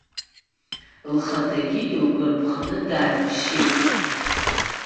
Лхаҭагьы илгәарԥханы дааччеит.